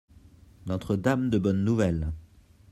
N.-D. de Bonne Nouvelle.